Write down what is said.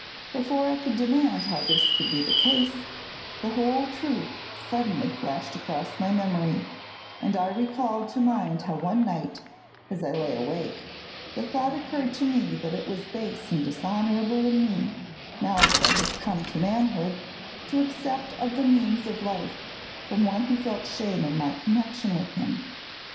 Before I could demand how this could be the case, the whole truth suddenly flashed across my memory, and I recalled to mind how one night, as I lay awake, the thought occurred to me that it was base and dishonorable in me, now that I was come to manhood, to accept of the means of life from one who felt shame in my connection with him.